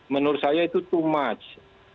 menurut saya itu to much